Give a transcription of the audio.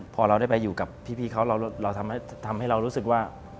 พอเราได้ไปอยู่กับพี่เขาเราทำให้เรารู้สึกว่า